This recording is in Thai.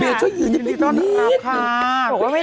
เมช่วยยืนไปครึ่งนิด